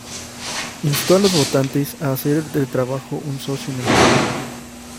Instó a los votantes a "hacer del trabajo un socio en el gobierno".